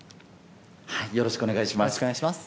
よろしくお願いします。